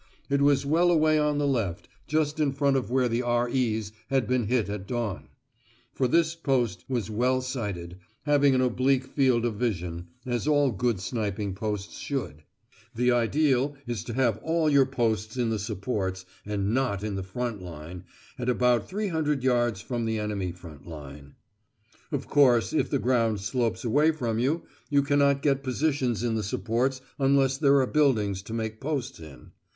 It was well away on the left, just in front of where the "R.E.'s" had been hit at dawn. For this post was well sited, having an oblique field of vision, as all good sniping posts should. That is to say, they should be sited something like this: The ideal is to have all your posts in the supports, and not in the front line, and at about three hundred yards from the enemy front line. Of course if the ground slopes away behind you, you cannot get positions in the supports unless there are buildings to make posts in.